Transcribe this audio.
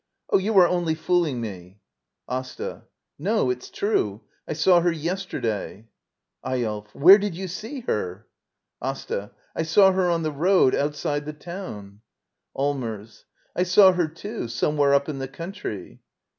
Oh, you are only fooling me I AsTA. No ; it's true. I saw her yesterday. Eyolf. Where did you see her? AsTA. I saw her on the road, outside the town. Allmers. I saw her, too, somewhere up in the country.